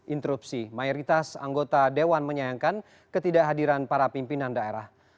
interupsi mayoritas anggota dewan menyayangkan ketidakhadiran para pimpinan daerah